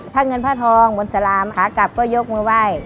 เงินผ้าทองบนสลามขากลับก็ยกมือไหว้